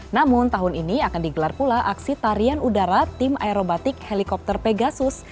namun tahun ini akan digelar pula aksi tarian udara tim aerobatik helikopter pegasus